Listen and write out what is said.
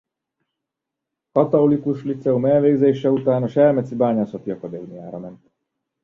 A katolikus líceum elvégzése után a selmeci bányászati akadémiára ment.